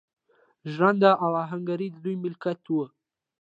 ژرنده او اهنګري د دوی ملکیت و.